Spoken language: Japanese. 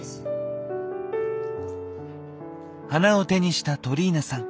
花を手にしたトリーナさん。